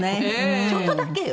ちょっとだけよ。